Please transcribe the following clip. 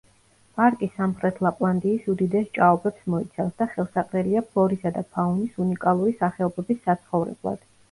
პარკი სამხრეთ ლაპლანდიის უდიდეს ჭაობებს მოიცავს და ხელსაყრელია ფლორისა და ფაუნის უნიკალური სახეობების საცხოვრებლად.